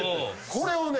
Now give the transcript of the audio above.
これをね